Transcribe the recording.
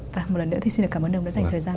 và một lần nữa thì xin cảm ơn ông đã dành thời gian